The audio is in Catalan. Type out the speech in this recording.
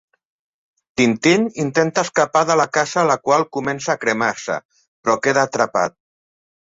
Tintín intenta escapar de la casa la qual comença a cremar-se però queda atrapat.